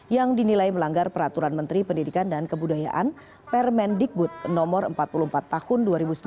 yang dinilai melanggar peraturan menteri pendidikan dan kebudayaan permendikbud no empat puluh empat tahun dua ribu sembilan belas